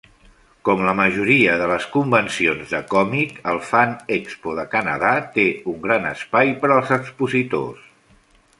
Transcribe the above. Como la majoria de les convencions de còmic, el Fan Expo de Canadà té un gran espai per els expositors.